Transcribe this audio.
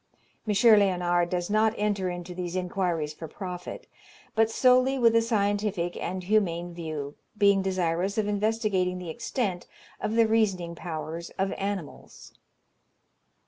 M. Léonard does not enter into these inquiries for profit, but solely with a scientific and humane view, being desirous of investigating the extent of the reasoning powers of animals.